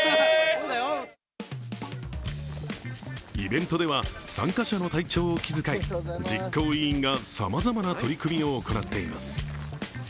イベントでは参加者の体調を気遣い、実行委員が、さまざまな取り組みを行っています。